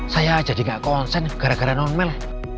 saya jadi gak konsen gara gara non mail